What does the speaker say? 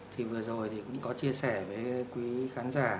thì vừa rồi thì cũng có chia sẻ với quý khán giả